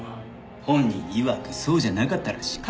本人いわくそうじゃなかったらしい。